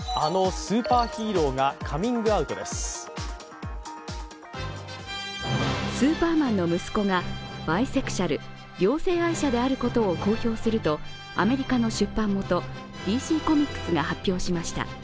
「スーパーマン」の息子がバイセクシャル、両性愛者であることを公表するとアメリカの出版元、ＤＣコミックスが発表しました。